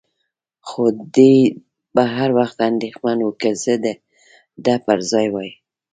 خو دی به هر وخت اندېښمن و، که زه د ده پر ځای وای.